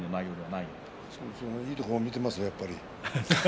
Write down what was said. いいところ見てますね。